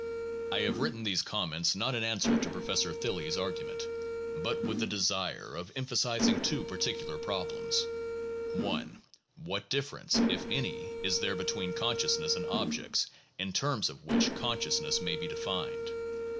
I have written these comments, not in answer to Professor Thilly's argument, but with the desire of emphasizing two par ticular problems: (i) What difference, if any, is there between consciousness and objects in terms of which consciousness may be defined?